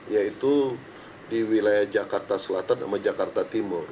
yaitu di wilayah jakarta selatan sama jakarta timur